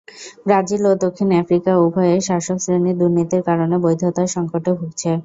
Brazil ও দক্ষিণ Africa উভয়েই শাসকশ্রেণির দুর্নীতির কারণে বৈধতার সংকটে ভুগছে।